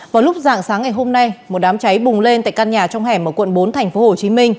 vào lúc dạng sáng ngày hôm nay một đám cháy bùng lên tại căn nhà trong hẻm ở quận bốn tp hcm